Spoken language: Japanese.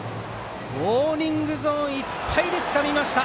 ウォーニングゾーンいっぱいでつかみました。